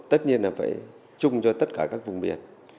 tất nhiên là phải chung cho tất cả các vùng biển